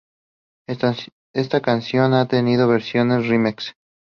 Esta canción ha tenido versiones remix.